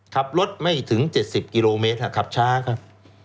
ขับรถไม่ถึง๗๐กิโลเมตรขับช้าครับ